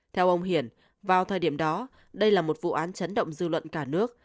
theo ông hiển vào thời điểm đó đây là một vụ án chấn động dư luận cả nước